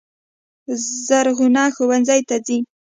زرغونه ښوونځي ته ځي.